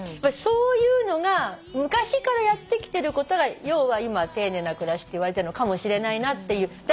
そういうのが昔からやってきてることが要は今丁寧な暮らしっていわれてるのかもしれないなっていう。